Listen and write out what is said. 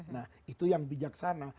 nah itu yang bijaksana